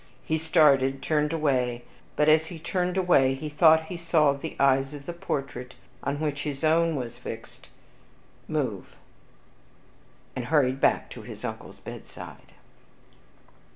He started, turned away; but, as he turned away, he thought he saw the eyes of the portrait, on which his own was fixed, MOVE, and hurried back to his uncle's bedside.